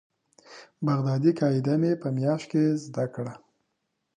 بغدادي قاعده مې په مياشت کښې زده کړه.